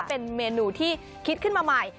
เป็นเมนูที่คิดขึ้นมาใหม่